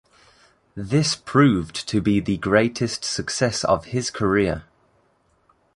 This proved to be the greatest success of his career.